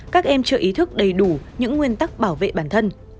các em chưa ý thức đầy đủ những nguyên tắc bảo vệ bản thân